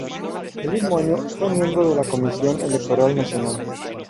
El mismo año fue miembro de la Comisión Electoral Nacional.